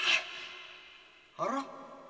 あら？